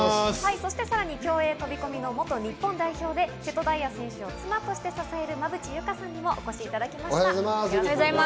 そして、さらに競泳・飛込の元日本代表で瀬戸大也選手の妻として支える馬淵優佳さんにもお越しいただきまおはようございます。